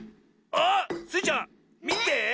あっ！スイちゃんみて。